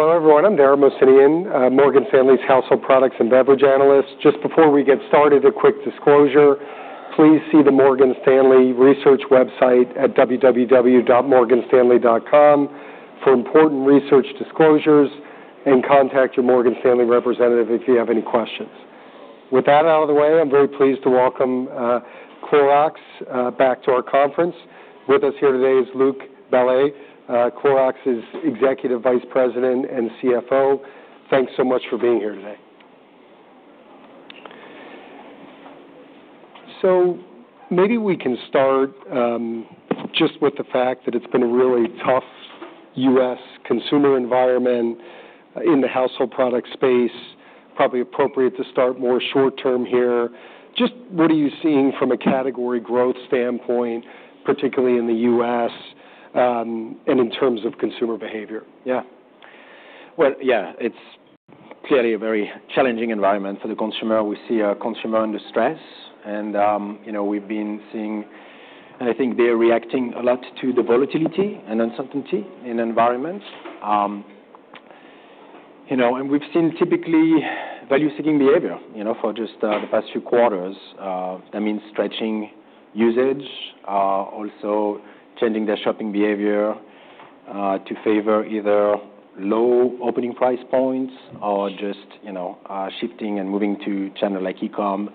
Hello, everyone. I'm Dara Mohsenian, Morgan Stanley's household products and beverage analyst. Just before we get started, a quick disclosure: please see the Morgan Stanley research website at www.morganstanley.com for important research disclosures and contact your Morgan Stanley representative if you have any questions. With that out of the way, I'm very pleased to welcome Clorox back to our conference. With us here today is Kevin Jacobsen, Clorox's Executive Vice President and CFO. Thanks so much for being here today. So maybe we can start just with the fact that it's been a really tough U.S. consumer environment in the household product space. Probably appropriate to start more short-term here. Just what are you seeing from a category growth standpoint, particularly in the U.S. and in terms of consumer behavior? Yeah. Well, yeah, it's clearly a very challenging environment for the consumer. We see a consumer under stress, and we've been seeing, and I think they're reacting a lot to the volatility and uncertainty in the environment, and we've seen typically value-seeking behavior for just the past few quarters. That means stretching usage, also changing their shopping behavior to favor either low opening price points or just shifting and moving to channels like e-comm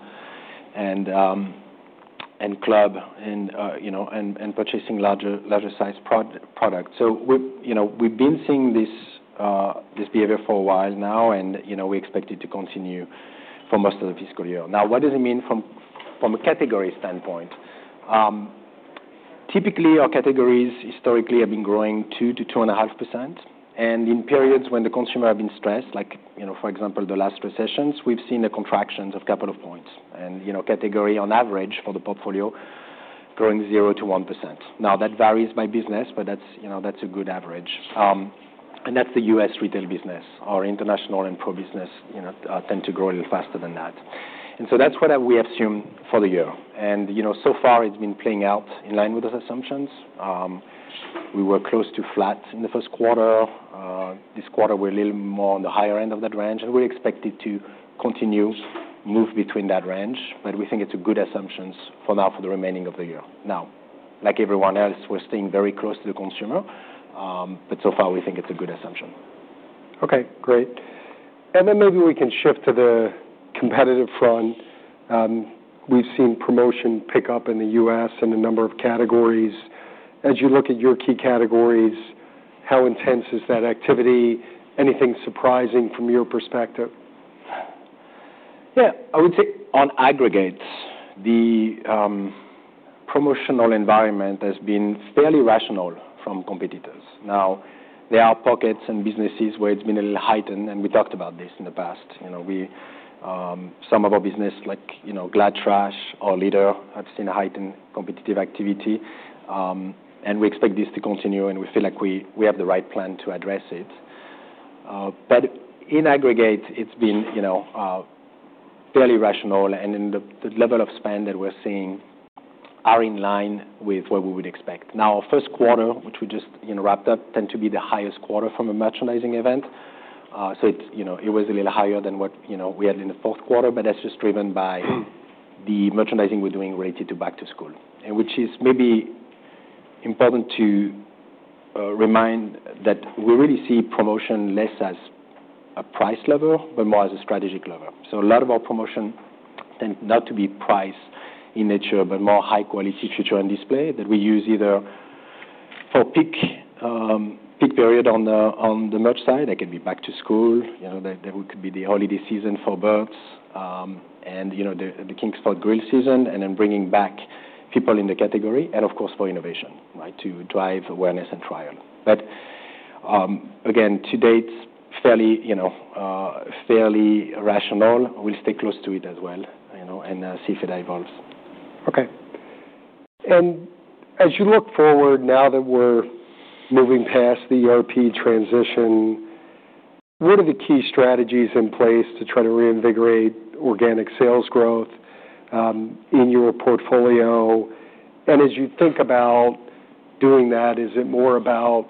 and club and purchasing larger-sized products, so we've been seeing this behavior for a while now, and we expect it to continue for most of the fiscal year. Now, what does it mean from a category standpoint? Typically, our categories historically have been growing 2%-2.5%, and in periods when the consumer has been stressed, like for example, the last recessions, we've seen the contractions of a couple of points. And category, on average, for the portfolio, growing 0%-1%. Now, that varies by business, but that's a good average. And that's the U.S. retail business. Our international and pro-business tend to grow a little faster than that. And so that's what we assume for the year. And so far, it's been playing out in line with those assumptions. We were close to flat in the first quarter. This quarter, we're a little more on the higher end of that range, and we expect it to continue to move between that range. But we think it's a good assumption for now for the remaining of the year. Now, like everyone else, we're staying very close to the consumer, but so far, we think it's a good assumption. Okay. Great. And then maybe we can shift to the competitive front. We've seen promotion pick up in the U.S. in a number of categories. As you look at your key categories, how intense is that activity? Anything surprising from your perspective? Yeah. I would say on aggregates, the promotional environment has been fairly rational from competitors. Now, there are pockets and businesses where it's been a little heightened, and we talked about this in the past. Some of our business, like Glad Trash or litter, have seen a heightened competitive activity. And we expect this to continue, and we feel like we have the right plan to address it. But in aggregate, it's been fairly rational, and the level of spend that we're seeing is in line with what we would expect. Now, our first quarter, which we just wrapped up, tends to be the highest quarter from a merchandising event. So it was a little higher than what we had in the fourth quarter, but that's just driven by the merchandising we're doing related to back-to-school, which is maybe important to remind that we really see promotion less as a price level but more as a strategic level. So a lot of our promotion tends not to be price in nature but more high-quality feature and display that we use either for peak period on the merch side. That could be back-to-school. There could be the holiday season for Burt's and the Kingsford Grill season, and then bringing back people in the category. And of course, for innovation, right, to drive awareness and trial. But again, to date, fairly rational. We'll stay close to it as well and see if it evolves. Okay. And as you look forward, now that we're moving past the ERP transition, what are the key strategies in place to try to reinvigorate organic sales growth in your portfolio? And as you think about doing that, is it more about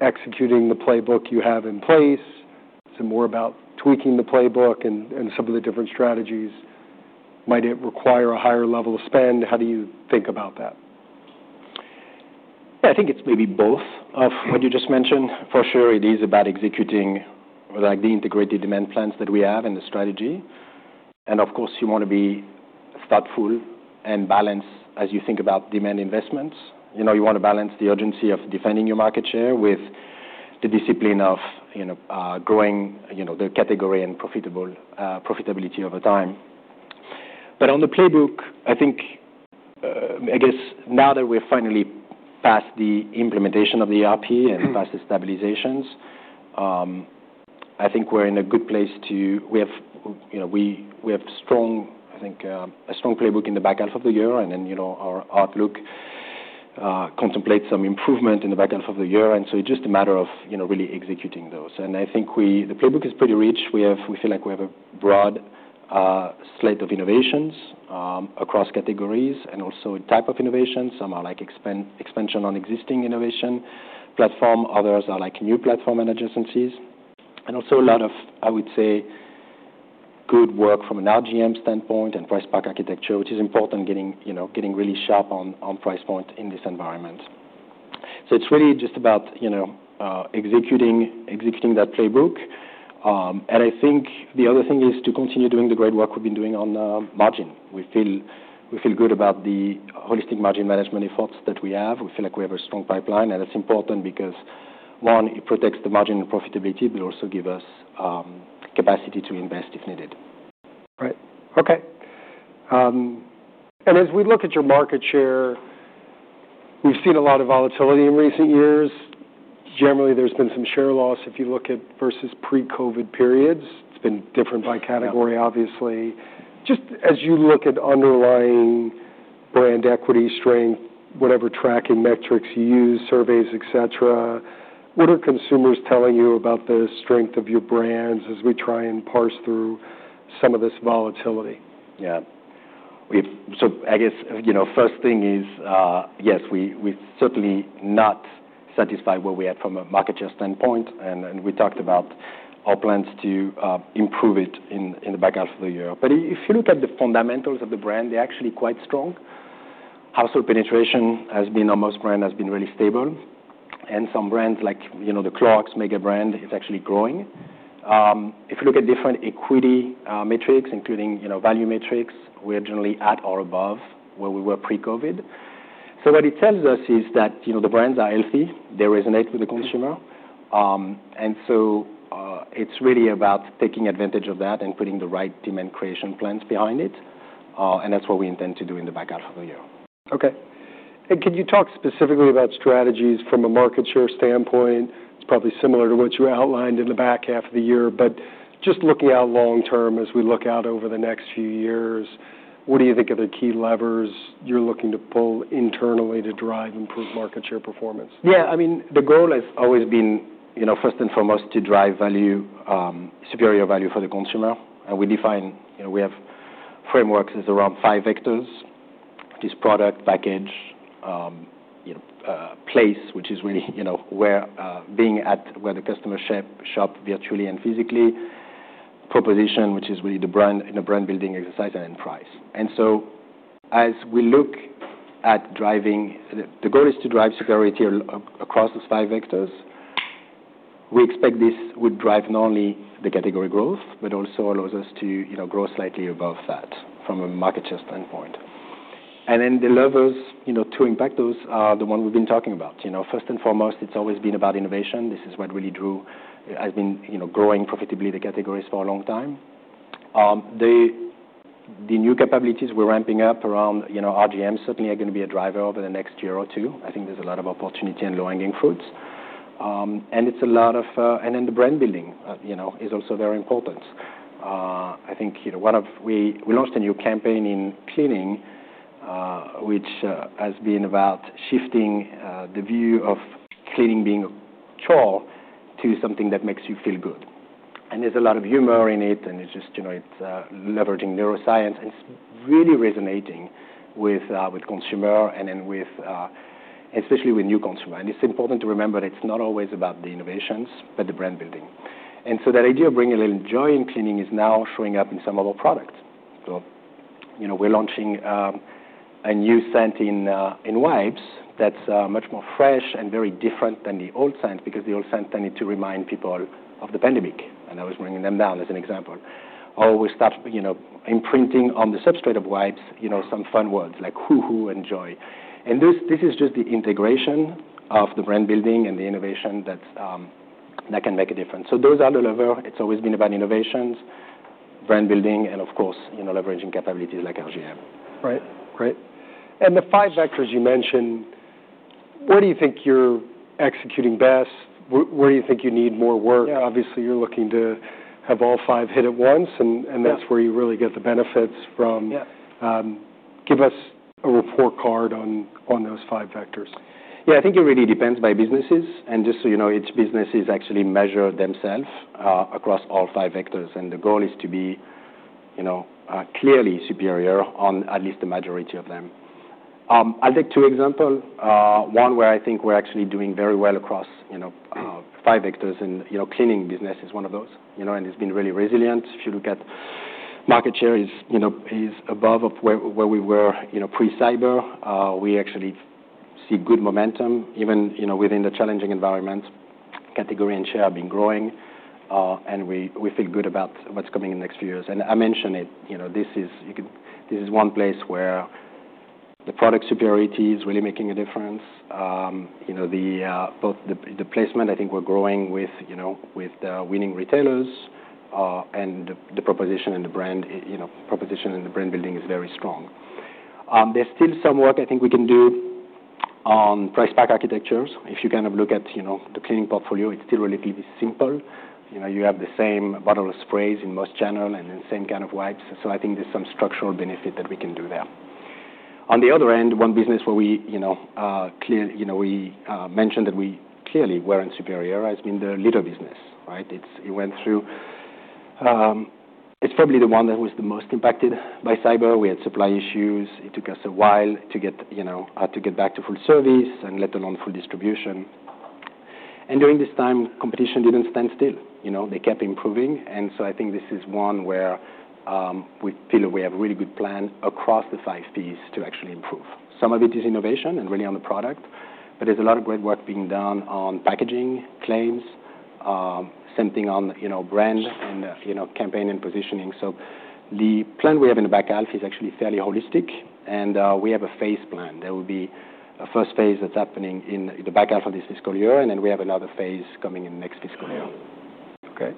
executing the playbook you have in place? Is it more about tweaking the playbook and some of the different strategies? Might it require a higher level of spend? How do you think about that? Yeah. I think it's maybe both of what you just mentioned. For sure, it is about executing the integrated demand plans that we have and the strategy. And of course, you want to be thoughtful and balanced as you think about demand investments. You want to balance the urgency of defending your market share with the discipline of growing the category and profitability over time. But on the playbook, I think, I guess now that we're finally past the implementation of the ERP and past the stabilizations, I think we're in a good place to. We have a strong playbook in the back half of the year, and then our outlook contemplates some improvement in the back half of the year. And so it's just a matter of really executing those. And I think the playbook is pretty rich. We feel like we have a broad slate of innovations across categories and also type of innovations. Some are like expansion on existing innovation platform. Others are like new platform and adjacencies. And also a lot of, I would say, good work from an RGM standpoint and price-pack architecture, which is important, getting really sharp on price point in this environment. So it's really just about executing that playbook. And I think the other thing is to continue doing the great work we've been doing on margin. We feel good about the holistic margin management efforts that we have. We feel like we have a strong pipeline, and it's important because, one, it protects the margin and profitability, but also gives us capacity to invest if needed. Right. Okay. And as we look at your market share, we've seen a lot of volatility in recent years. Generally, there's been some share loss if you look at versus pre-COVID periods. It's been different by category, obviously. Just as you look at underlying brand equity strength, whatever tracking metrics you use, surveys, etc., what are consumers telling you about the strength of your brands as we try and parse through some of this volatility? Yeah. So I guess first thing is, yes, we're certainly not satisfied where we are from a market share standpoint. And we talked about our plans to improve it in the back half of the year. But if you look at the fundamentals of the brand, they're actually quite strong. Household penetration has been. Our Clorox brand has been really stable. And some brands, like the Clorox mega brand, it's actually growing. If you look at different equity metrics, including value metrics, we're generally at or above where we were pre-COVID. So what it tells us is that the brands are healthy. They resonate with the consumer. And so it's really about taking advantage of that and putting the right demand creation plans behind it. And that's what we intend to do in the back half of the year. Okay. And can you talk specifically about strategies from a market share standpoint? It's probably similar to what you outlined in the back half of the year. But just looking out long-term, as we look out over the next few years, what do you think are the key levers you're looking to pull internally to drive improved market share performance? Yeah. I mean, the goal has always been, first and foremost, to drive superior value for the consumer. And we define, we have frameworks around five vectors: which is product, package, place, which is really being at where the customers shop virtually and physically, proposition, which is really the brand-building exercise, and then price. And so as we look at driving, the goal is to drive superiority across those five vectors. We expect this would drive not only the category growth but also allows us to grow slightly above that from a market share standpoint. And then the levers to impact those are the ones we've been talking about. First and foremost, it's always been about innovation. This is what really has been growing profitably the categories for a long time. The new capabilities we're ramping up around RGM certainly are going to be a driver over the next year or two. I think there's a lot of opportunity and low-hanging fruits, and then the brand building is also very important. I think we launched a new campaign in cleaning, which has been about shifting the view of cleaning being a chore to something that makes you feel good. There's a lot of humor in it, and it's just leveraging neuroscience. It's really resonating with consumers and especially with new consumers. It's important to remember that it's not always about the innovations but the brand building. That idea of bringing a little joy in cleaning is now showing up in some of our products. We're launching a new scent in wipes that's much more fresh and very different than the old scent because the old scent tended to remind people of the pandemic. I was bringing them down as an example. Or we start imprinting on the substrate of wipes some fun words like "hoo hoo" and "joy." And this is just the integration of the brand building and the innovation that can make a difference. So those are the levers. It's always been about innovations, brand building, and of course, leveraging capabilities like RGM. Right. Right. And the Five Vectors you mentioned, what do you think you're executing best? Where do you think you need more work? Obviously, you're looking to have all five hit at once, and that's where you really get the benefits from. Give us a report card on those Five Vectors. Yeah. I think it really depends by businesses. And just so you know, each business is actually measured themselves across all five vectors, and the goal is to be clearly superior on at least the majority of them. I'll take two examples. One where I think we're actually doing very well across five vectors, and cleaning business is one of those. And it's been really resilient. If you look at market share, it's above where we were pre-cyber. We actually see good momentum even within the challenging environments. Category and share have been growing, and we feel good about what's coming in the next few years. And I mentioned it. This is one place where the product superiority is really making a difference. Both the placement, I think we're growing with winning retailers, and the proposition and the brand building is very strong. There's still some work I think we can do on price-pack architectures. If you kind of look at the cleaning portfolio, it's still relatively simple. You have the same bottle sprays in most channels and then same kind of wipes. So I think there's some structural benefit that we can do there. On the other end, one business where we mentioned that we clearly weren't superior has been the Lidl business, right? It went through. It's probably the one that was the most impacted by cyber. We had supply issues. It took us a while to get back to full service and let alone full distribution. And during this time, competition didn't stand still. They kept improving. And so I think this is one where we feel we have a really good plan across the five P's to actually improve. Some of it is innovation and really on the product, but there's a lot of great work being done on packaging, claims, something on brand and campaign and positioning. So the plan we have in the back half is actually fairly holistic, and we have a phase plan. There will be a first phase that's happening in the back half of this fiscal year, and then we have another phase coming in next fiscal year. Okay.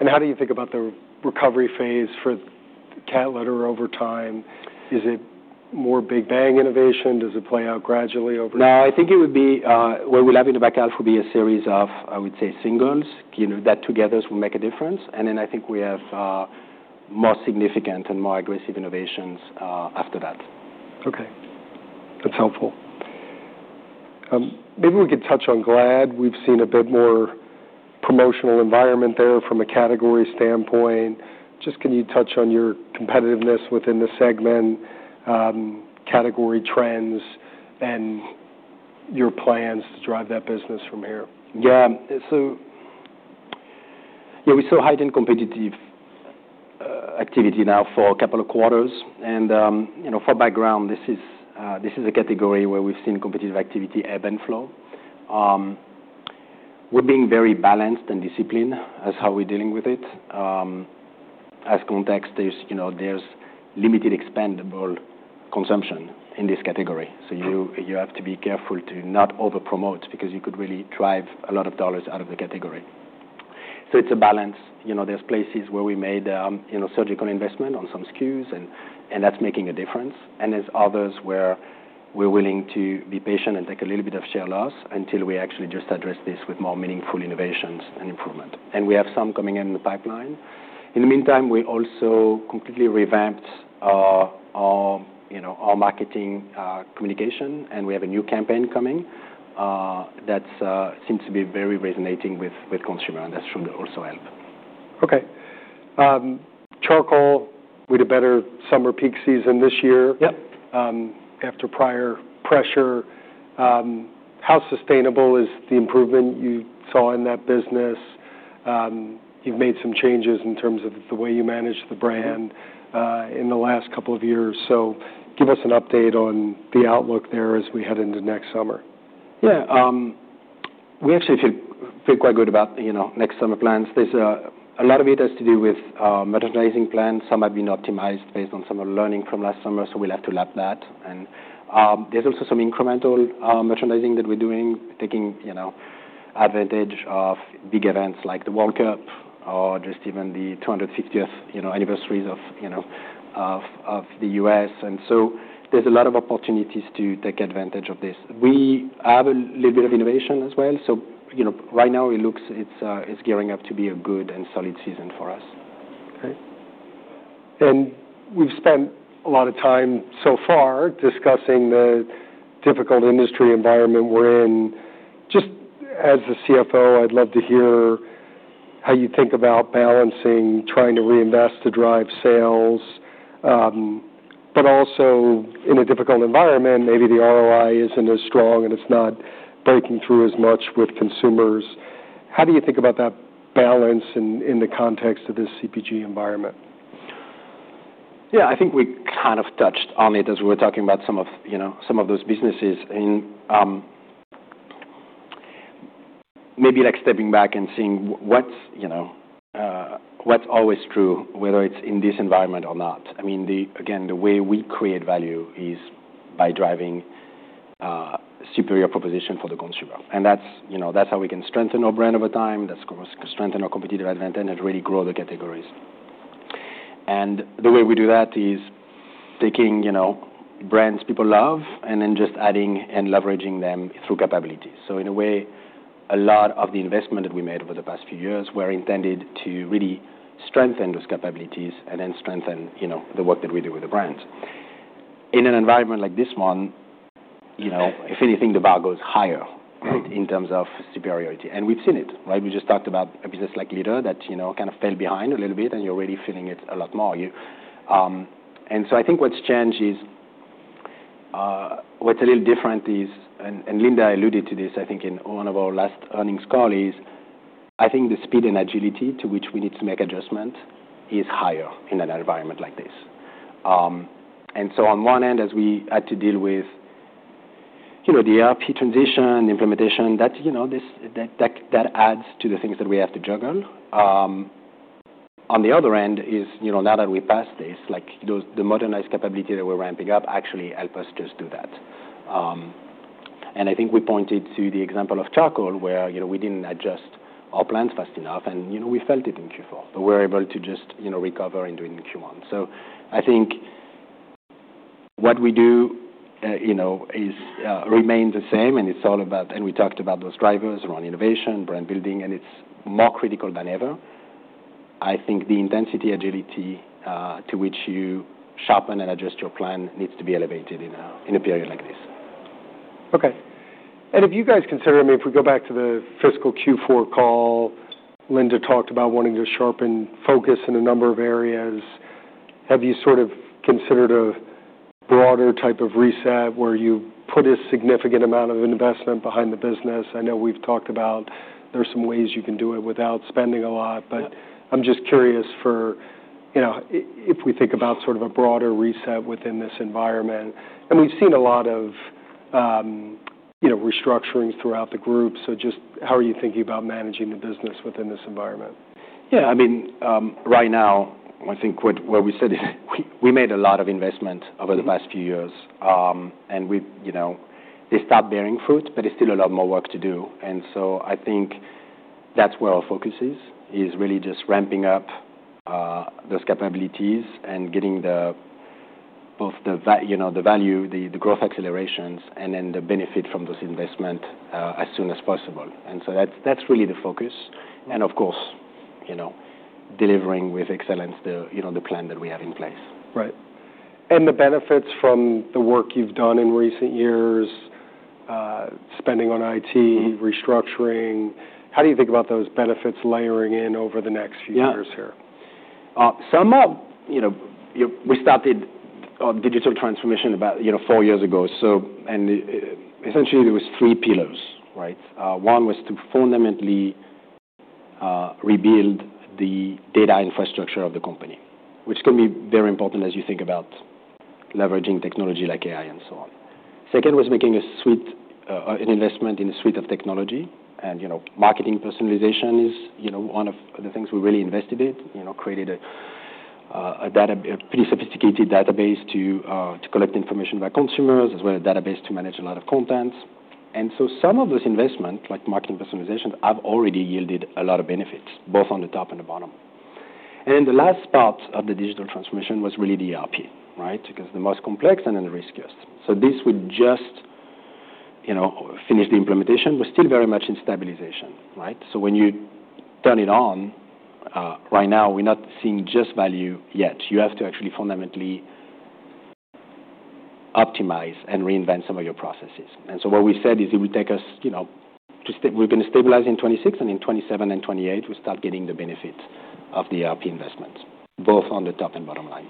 And how do you think about the recovery phase for the cat litter over time? Is it more big bang innovation? Does it play out gradually over time? No. I think it would be what we'll have in the back half would be a series of, I would say, singles that together will make a difference, and then I think we have more significant and more aggressive innovations after that. Okay. That's helpful. Maybe we could touch on Glad. We've seen a bit more promotional environment there from a category standpoint. Just can you touch on your competitiveness within the segment, category trends, and your plans to drive that business from here? Yeah. So yeah, we saw heightened competitive activity now for a couple of quarters. And for background, this is a category where we've seen competitive activity ebb and flow. We're being very balanced and disciplined as how we're dealing with it. As context, there's limited expendable consumption in this category. So you have to be careful to not over-promote because you could really drive a lot of dollars out of the category. So it's a balance. There's places where we made surgical investment on some SKUs, and that's making a difference. And there's others where we're willing to be patient and take a little bit of share loss until we actually just address this with more meaningful innovations and improvement. And we have some coming in the pipeline. In the meantime, we also completely revamped our marketing communication, and we have a new campaign coming that seems to be very resonating with consumers, and that should also help. Okay. Charcoal with a better summer peak season this year after prior pressure. How sustainable is the improvement you saw in that business? You've made some changes in terms of the way you manage the brand in the last couple of years. So give us an update on the outlook there as we head into next summer. Yeah. We actually feel quite good about next summer plans. A lot of it has to do with merchandising plans. Some have been optimized based on some of the learning from last summer, so we'll have to lap that. And there's also some incremental merchandising that we're doing, taking advantage of big events like the World Cup or just even the 250th anniversaries of the U.S. And so there's a lot of opportunities to take advantage of this. We have a little bit of innovation as well. So right now, it looks it's gearing up to be a good and solid season for us. Okay. And we've spent a lot of time so far discussing the difficult industry environment we're in. Just ask the CFO, I'd love to hear how you think about balancing trying to reinvest to drive sales, but also in a difficult environment, maybe the ROI isn't as strong and it's not breaking through as much with consumers. How do you think about that balance in the context of this CPG environment? Yeah. I think we kind of touched on it as we were talking about some of those businesses. Maybe stepping back and seeing what's always true, whether it's in this environment or not. I mean, again, the way we create value is by driving superior proposition for the consumer. And that's how we can strengthen our brand over time. That's going to strengthen our competitive advantage and really grow the categories. And the way we do that is taking brands people love and then just adding and leveraging them through capabilities. So in a way, a lot of the investment that we made over the past few years were intended to really strengthen those capabilities and then strengthen the work that we do with the brands. In an environment like this one, if anything, the bar goes higher in terms of superiority. And we've seen it, right? We just talked about a business like Lidl that kind of fell behind a little bit, and you're already feeling it a lot more. And so I think what's changed is what's a little different is, and Linda alluded to this, I think, in one of our last earnings calls. I think the speed and agility to which we need to make adjustments is higher in an environment like this. And so on one end, as we had to deal with the ERP transition and implementation, that adds to the things that we have to juggle. On the other end is now that we passed this, the modernized capability that we're ramping up actually helps us just do that. And I think we pointed to the example of charcoal where we didn't adjust our plans fast enough, and we felt it in Q4. But we were able to just recover and do it in Q1. So I think what we do remains the same, and it's all about, and we talked about those drivers around innovation, brand building, and it's more critical than ever. I think the intensity, agility to which you sharpen and adjust your plan needs to be elevated in a period like this. Okay. And have you guys considered, I mean, if we go back to the fiscal Q4 call, Linda talked about wanting to sharpen focus in a number of areas. Have you sort of considered a broader type of reset where you put a significant amount of investment behind the business? I know we've talked about there's some ways you can do it without spending a lot, but I'm just curious if we think about sort of a broader reset within this environment. And we've seen a lot of restructuring throughout the group, so just how are you thinking about managing the business within this environment? Yeah. I mean, right now, I think what we said is we made a lot of investment over the past few years, and they start bearing fruit, but there's still a lot more work to do. And so I think that's where our focus is, is really just ramping up those capabilities and getting both the value, the growth accelerations, and then the benefit from those investments as soon as possible. And so that's really the focus. And of course, delivering with excellence the plan that we have in place. Right. And the benefits from the work you've done in recent years, spending on IT, restructuring, how do you think about those benefits layering in over the next few years here? Yeah. We started our digital transformation about four years ago, and essentially, there were three pillars, right? One was to fundamentally rebuild the data infrastructure of the company, which can be very important as you think about leveraging technology like AI and so on. Second was making an investment in a suite of technology. And marketing personalization is one of the things we really invested in, created a pretty sophisticated database to collect information about consumers as well as a database to manage a lot of content. And so some of those investments, like marketing personalization, have already yielded a lot of benefits, both on the top and the bottom. And then the last part of the digital transformation was really the ERP, right, because the most complex and then the riskiest. So this would just finish the implementation. We're still very much in stabilization, right? So when you turn it on, right now, we're not seeing just value yet. You have to actually fundamentally optimize and reinvent some of your processes, and so what we said is it will take us to we're going to stabilize in 2026, and in 2027 and 2028, we'll start getting the benefits of the ERP investments, both on the top and bottom line.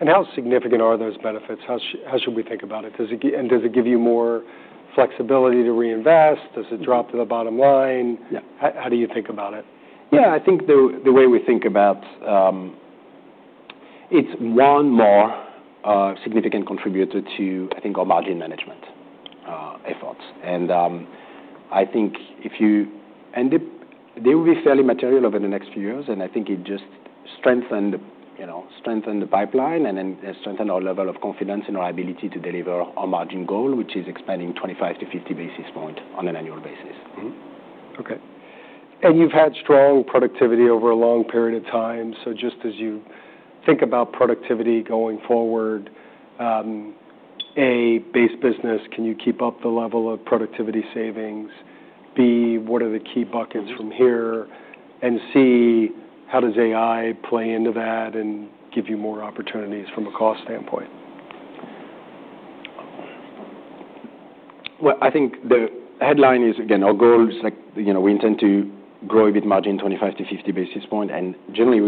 How significant are those benefits? How should we think about it? Does it give you more flexibility to reinvest? Does it drop to the bottom line? How do you think about it? Yeah. I think the way we think about it is one more significant contributor to, I think, our margin management efforts. And I think it and they will be fairly material over the next few years, and I think it just strengthened the pipeline and then strengthened our level of confidence in our ability to deliver our margin goal, which is expanding 25-50 basis points on an annual basis. Okay. And you've had strong productivity over a long period of time. So just as you think about productivity going forward, A, base business, can you keep up the level of productivity savings? B, what are the key buckets from here? And C, how does AI play into that and give you more opportunities from a cost standpoint? Well, I think the headline is, again, our goal is we intend to grow with margin 25-50 basis points, and generally,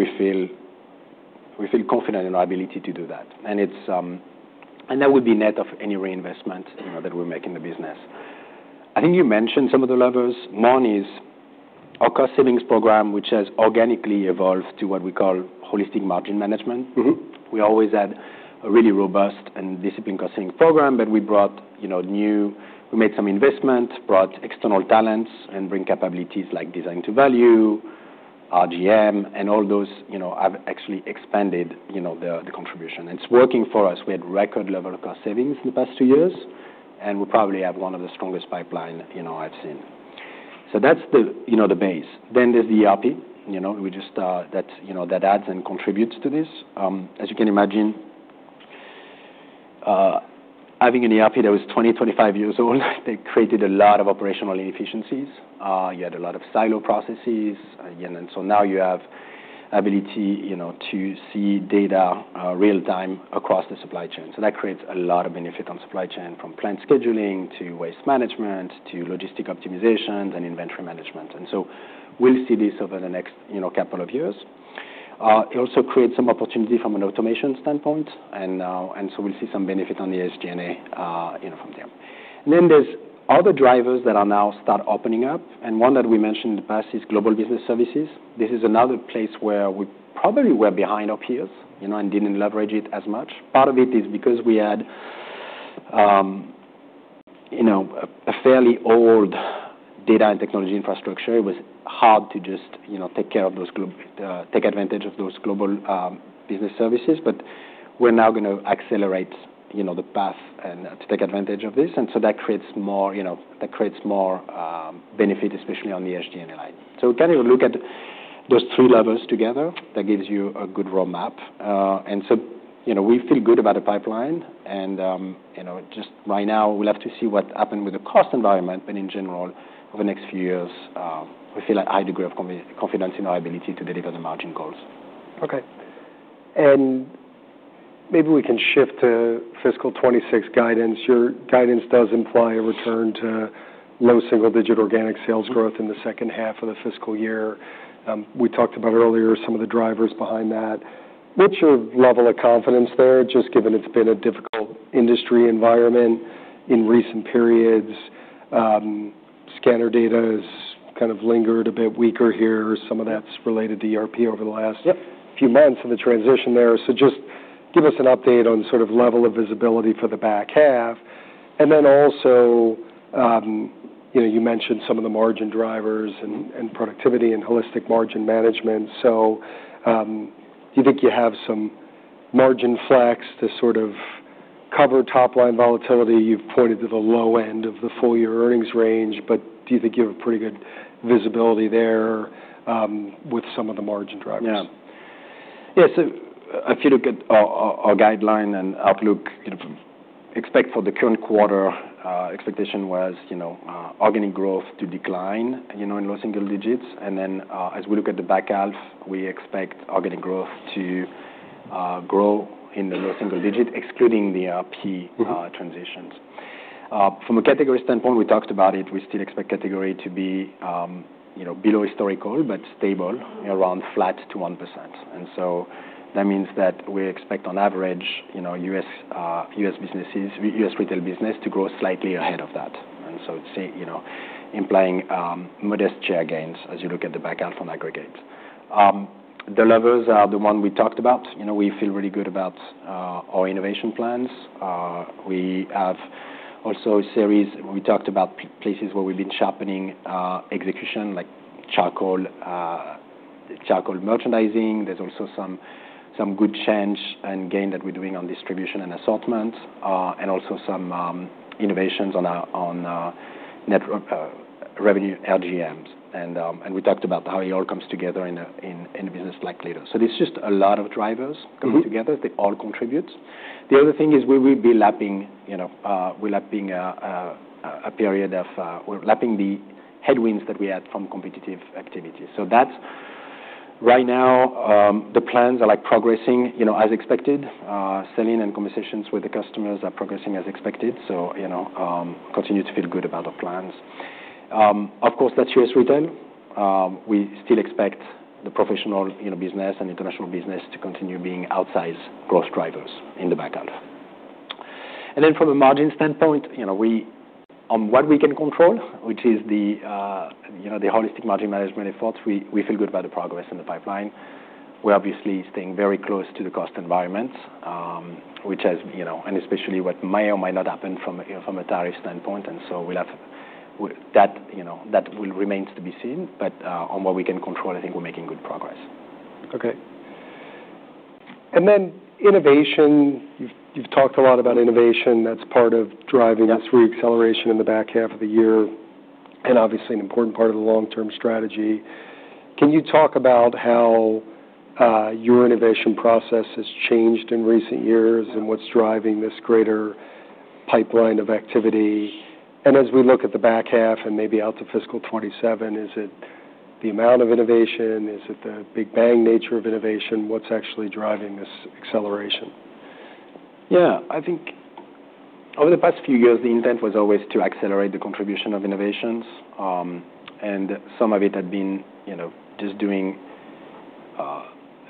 we feel confident in our ability to do that. And that would be net of any reinvestment that we make in the business. I think you mentioned some of the levers. One is our cost savings program, which has organically evolved to what we call holistic margin management. We always had a really robust and disciplined cost savings program, but we brought new we made some investment, brought external talents, and bring capabilities like design to value, RGM, and all those have actually expanded the contribution. And it's working for us. We had record-level cost savings in the past two years, and we probably have one of the strongest pipelines I've seen. So that's the base. Then there's the ERP. We just started that adds and contributes to this. As you can imagine, having an ERP that was 20-25 years old, it created a lot of operational inefficiencies. You had a lot of silo processes. And so now you have the ability to see data real-time across the supply chain. So that creates a lot of benefit in the supply chain from plant scheduling to waste management to logistics optimizations and inventory management. And so we'll see this over the next couple of years. It also creates some opportunity from an automation standpoint, and so we'll see some benefit in the SG&A from there. And then there are other drivers that are now starting to open up. And one that we mentioned in the past is Global Business Services. This is another place where we probably were behind our peers and didn't leverage it as much. Part of it is because we had a fairly old data and technology infrastructure. It was hard to just take advantage of those Global Business Services, but we're now going to accelerate the path to take advantage of this. And so that creates more benefit, especially on the SG&A line. So we kind of look at those three levers together. That gives you a good roadmap. And so we feel good about the pipeline. And just right now, we'll have to see what happened with the cost environment, but in general, over the next few years, we feel a high degree of confidence in our ability to deliver the margin goals. Okay. And maybe we can shift to fiscal 2026 guidance. Your guidance does imply a return to low single-digit organic sales growth in the second half of the fiscal year. We talked about earlier some of the drivers behind that. What's your level of confidence there, just given it's been a difficult industry environment in recent periods? Scanner data has kind of lingered a bit weaker here. Some of that's related to ERP over the last few months and the transition there. So just give us an update on sort of level of visibility for the back half. And then also, you mentioned some of the margin drivers and productivity and holistic margin management. So do you think you have some margin flex to sort of cover top-line volatility? You've pointed to the low end of the full-year earnings range, but do you think you have a pretty good visibility there with some of the margin drivers? Yeah. Yeah. So if you look at our guidance and outlook, except for the current quarter, expectation was organic growth to decline in low single digits. And then as we look at the back half, we expect organic growth to grow in the low single digits, excluding the ERP transitions. From a category standpoint, we talked about it. We still expect category to be below historical, but stable around flat to 1%. And so that means that we expect on average, U.S. retail business to grow slightly ahead of that. And so it's implying modest share gains as you look at the back half on aggregate. The levers are the ones we talked about. We feel really good about our innovation plans. We also have a series we talked about places where we've been sharpening execution, like charcoal merchandising. There's also some good change and gain that we're doing on distribution and assortment, and also some innovations on revenue LGMs. And we talked about how it all comes together in a business like Lidl. So there's just a lot of drivers coming together. They all contribute. The other thing is we will be lapping a period of the headwinds that we had from competitive activity. So right now, the plans are progressing as expected. Sales and conversations with the customers are progressing as expected. So continue to feel good about our plans. Of course, that's U.S. retail. We still expect the professional business and international business to continue being outsized growth drivers in the back half. And then from a margin standpoint, on what we can control, which is the holistic margin management efforts, we feel good about the progress in the pipeline. We're obviously staying very close to the cost environment, which has and especially what may or might not happen from a tariff standpoint. And so that will remain to be seen. But on what we can control, I think we're making good progress. Okay. And then innovation, you've talked a lot about innovation. That's part of driving this reacceleration in the back half of the year and obviously an important part of the long-term strategy. Can you talk about how your innovation process has changed in recent years and what's driving this greater pipeline of activity? And as we look at the back half and maybe out to fiscal 2027, is it the amount of innovation? Is it the big bang nature of innovation? What's actually driving this acceleration? Yeah. I think over the past few years, the intent was always to accelerate the contribution of innovations, and some of it had been just doing a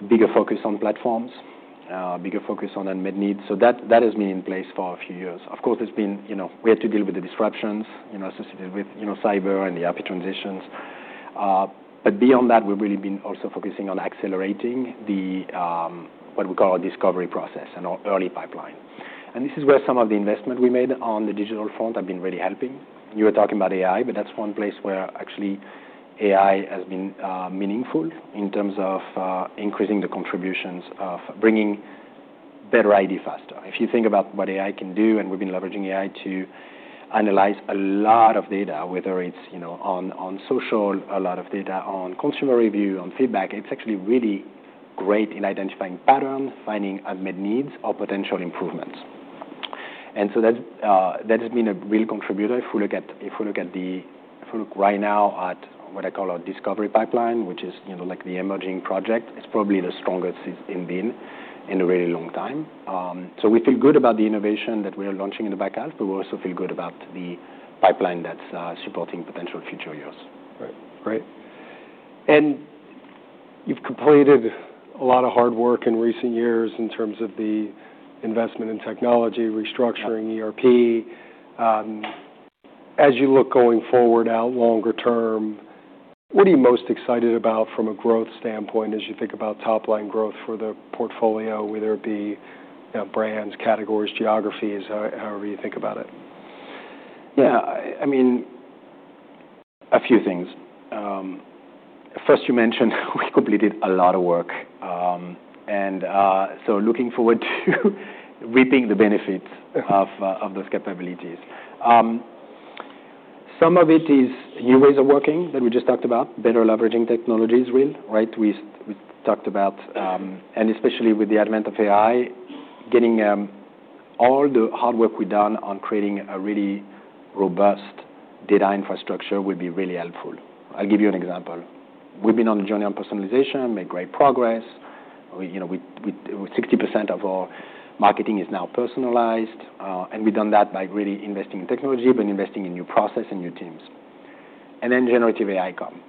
bigger focus on platforms, a bigger focus on unmet needs, so that has been in place for a few years. Of course, we've had to deal with the disruptions associated with cyber and the ERP transitions, but beyond that, we've really been also focusing on accelerating what we call our discovery process and our early pipeline. And this is where some of the investment we made on the digital front have been really helping. You were talking about AI, but that's one place where actually AI has been meaningful in terms of increasing the contributions of bringing better ideas faster. If you think about what AI can do, and we've been leveraging AI to analyze a lot of data, whether it's on social, a lot of data on consumer review, on feedback, it's actually really great in identifying patterns, finding unmet needs, or potential improvements. And so that has been a real contributor. If we look right now at what I call our discovery pipeline, which is like the emerging project, it's probably the strongest it's been in a really long time. So we feel good about the innovation that we are launching in the back half, but we also feel good about the pipeline that's supporting potential future years. Right. Great, and you've completed a lot of hard work in recent years in terms of the investment in technology, restructuring ERP. As you look going forward out longer term, what are you most excited about from a growth standpoint as you think about top-line growth for the portfolio, whether it be brands, categories, geographies, however you think about it? Yeah. I mean, a few things. First, you mentioned we completed a lot of work. And so looking forward to reaping the benefits of those capabilities. Some of it is new ways of working that we just talked about, better leveraging technologies, right? We talked about, and especially with the advent of AI, getting all the hard work we've done on creating a really robust data infrastructure will be really helpful. I'll give you an example. We've been on the journey on personalization, made great progress. 60% of our marketing is now personalized. And we've done that by really investing in technology, but investing in new process and new teams. And then generative AI come.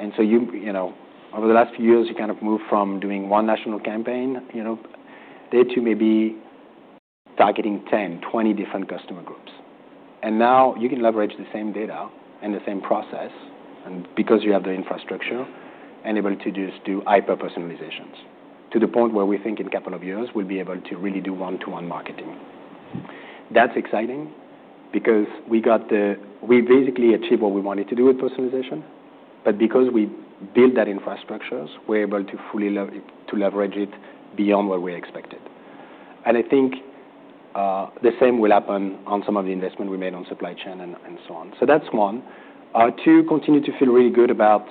And so over the last few years, you kind of move from doing one national campaign day to maybe targeting 10, 20 different customer groups. Now you can leverage the same data and the same process because you have the infrastructure and able to just do hyper-personalizations to the point where we think in a couple of years, we'll be able to really do one-to-one marketing. That's exciting because we basically achieved what we wanted to do with personalization. Because we built that infrastructure, we're able to fully leverage it beyond what we expected. I think the same will happen on some of the investment we made on supply chain and so on. That's one. Two, continue to feel really good about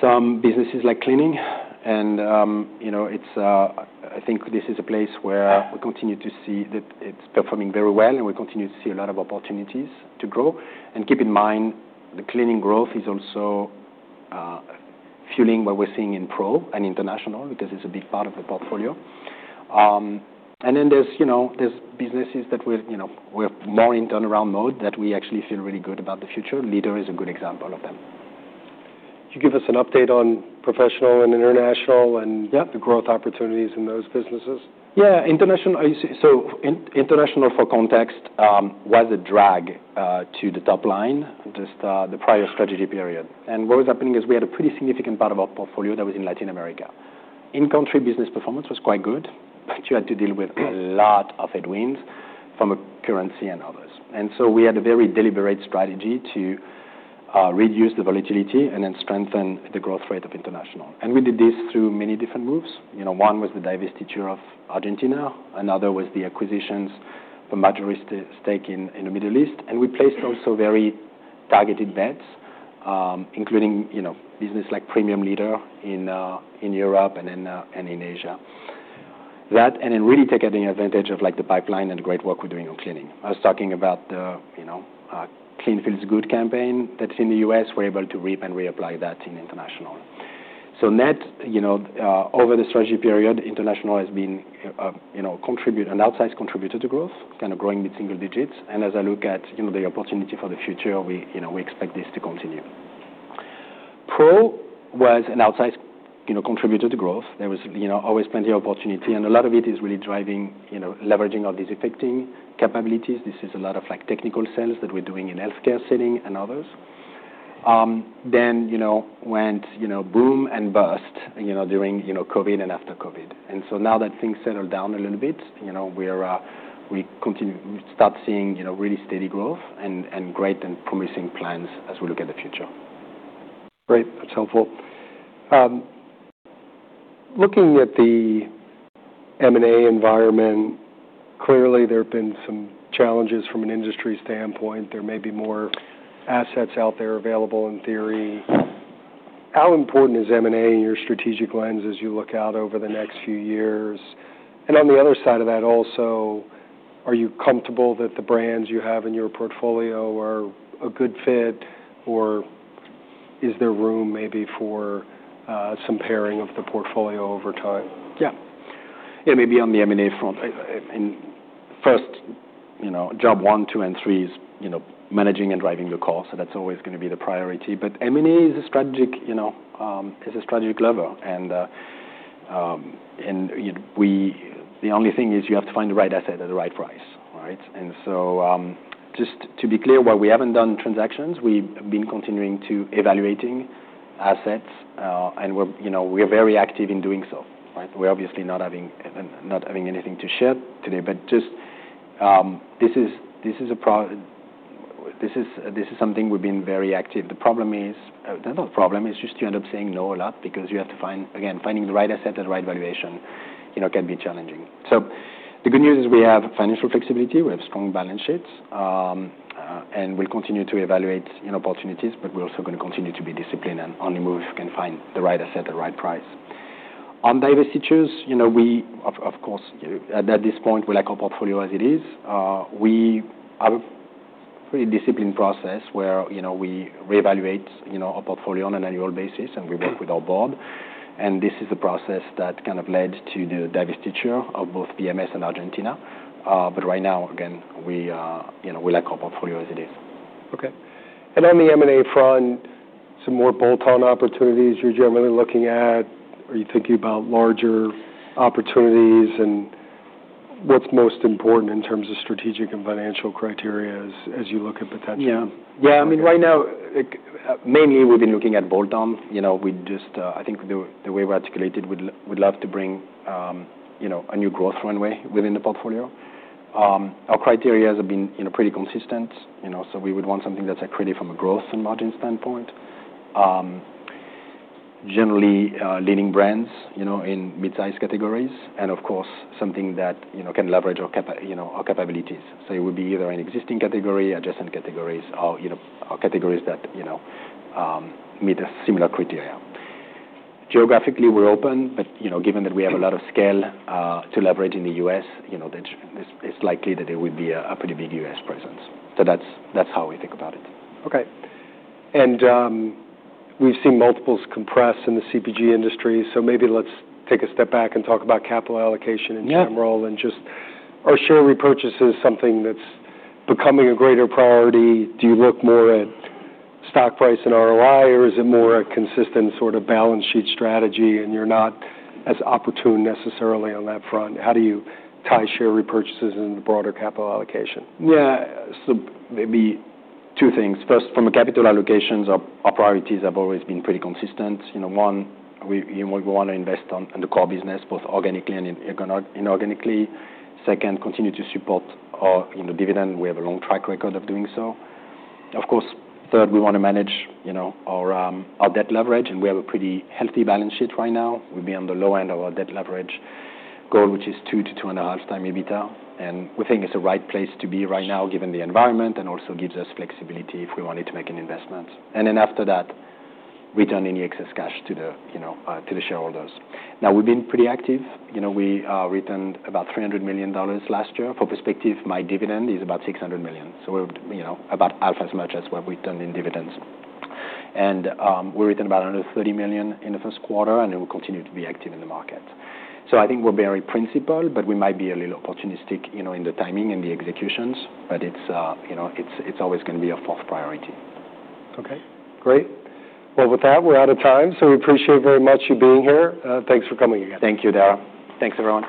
some businesses like cleaning. I think this is a place where we continue to see that it's performing very well, and we continue to see a lot of opportunities to grow. And keep in mind, the cleaning growth is also fueling what we're seeing in Pro and international because it's a big part of the portfolio. And then there's businesses that we're more in turnaround mode, that we actually feel really good about the future. Lidl is a good example of them. Can you give us an update on professional and international and the growth opportunities in those businesses? Yeah. So international, for context, was a drag to the top line just the prior strategy period, and what was happening is we had a pretty significant part of our portfolio that was in Latin America. In-country business performance was quite good, but you had to deal with a lot of headwinds from a currency and others, and so we had a very deliberate strategy to reduce the volatility and then strengthen the growth rate of international, and we did this through many different moves. One was the divestiture of Argentina. Another was the acquisitions for majority stake in the Middle East, and we placed also very targeted bets, including business like Premium Litter in Europe and in Asia. That and then really take advantage of the pipeline and the great work we're doing on cleaning. I was talking about the Clean Feels Good campaign that's in the U.S. We're able to reap and reapply that in international. So net, over the strategy period, international has been an outsized contributor to growth, kind of growing mid-single digits. And as I look at the opportunity for the future, we expect this to continue. Pro was an outsized contributor to growth. There was always plenty of opportunity. And a lot of it is really driving leveraging all these effective capabilities. This is a lot of technical sales that we're doing in healthcare setting and others. Then went boom and bust during COVID and after COVID. And so now that things settled down a little bit, we start seeing really steady growth and great and promising plans as we look at the future. Great. That's helpful. Looking at the M&A environment, clearly there have been some challenges from an industry standpoint. There may be more assets out there available in theory. How important is M&A in your strategic lens as you look out over the next few years? And on the other side of that also, are you comfortable that the brands you have in your portfolio are a good fit, or is there room maybe for some pairing of the portfolio over time? Yeah. Yeah. Maybe on the M&A front, I mean, first, job one, two, and three is managing and driving the cost. That's always going to be the priority, but M&A is a strategic lever. And the only thing is you have to find the right asset at the right price, right? And so just to be clear, while we haven't done transactions, we have been continuing to evaluate assets, and we're very active in doing so. We're obviously not having anything to share today, but just this is something we've been very active. The problem is, not the problem, it's just you end up saying no a lot because you have to find, again, finding the right asset at the right valuation can be challenging, so the good news is we have financial flexibility. We have strong balance sheets, and we'll continue to evaluate opportunities, but we're also going to continue to be disciplined and only move if we can find the right asset at the right price. On divestitures, of course, at this point, we like our portfolio as it is. We have a pretty disciplined process where we reevaluate our portfolio on an annual basis, and we work with our board, and this is the process that kind of led to the divestiture of both VMS and Argentina, but right now, again, we like our portfolio as it is. Okay. And on the M&A front, some more bolt-on opportunities you're generally looking at, or are you thinking about larger opportunities? And what's most important in terms of strategic and financial criteria as you look at potential? Yeah. Yeah. I mean, right now, mainly we've been looking at bolt-on. I think the way we've articulated, we'd love to bring a new growth runway within the portfolio. Our criteria have been pretty consistent. So we would want something that's accretive from a growth and margin standpoint, generally leading brands in mid-size categories, and of course, something that can leverage our capabilities. So it would be either an existing category, adjacent categories, or categories that meet similar criteria. Geographically, we're open, but given that we have a lot of scale to leverage in the U.S., it's likely that there would be a pretty big U.S. presence. So that's how we think about it. Okay. And we've seen multiples compress in the CPG industry. So maybe let's take a step back and talk about capital allocation in general and just are share repurchases something that's becoming a greater priority? Do you look more at stock price and ROI, or is it more a consistent sort of balance sheet strategy, and you're not as opportune necessarily on that front? How do you tie share repurchases into the broader capital allocation? Yeah, so maybe two things. First, from a capital allocations, our priorities have always been pretty consistent. One, we want to invest in the core business, both organically and inorganically. Second, continue to support our dividend. We have a long track record of doing so. Of course, third, we want to manage our debt leverage, and we have a pretty healthy balance sheet right now. We've been on the low end of our debt leverage goal, which is 2-2.5 times EBITDA, and we think it's the right place to be right now, given the environment, and also gives us flexibility if we wanted to make an investment, and then after that, return any excess cash to the shareholders. Now, we've been pretty active. We returned about $300 million last year. For perspective, my dividend is about $600 million. So we're about half as much as what we've done in dividends. And we returned about another $30 million in the first quarter, and then we'll continue to be active in the market. So I think we're very principled, but we might be a little opportunistic in the timing and the executions, but it's always going to be a fourth priority. Okay. Great. Well, with that, we're out of time. So we appreciate very much you being here. Thanks for coming again. Thank you, Dara. Thanks everyone.